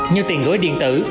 như tiền gửi điện tử